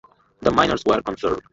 The miners were concerned.